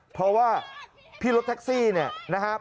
เพราะว่าพี่รถแท็กซี่เนี่ยนะครับ